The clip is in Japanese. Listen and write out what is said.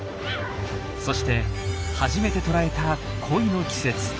そして初めて捉えた恋の季節。